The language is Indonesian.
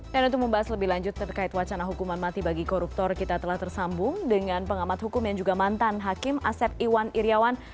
dan untuk membahas lebih lanjut terkait wacana hukuman mati bagi koruptor kita telah tersambung dengan pengamat hukum yang juga mantan hakim asep iwan iryawan